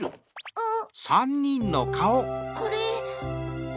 うん！